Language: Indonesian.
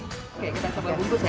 oke kita coba bungkus ya